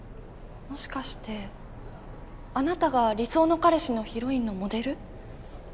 もしかしてあなたが「理想ノカレシ」のヒロインのモデル？